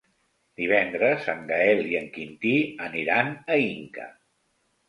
Divendres en Gaël i en Quintí aniran a Inca.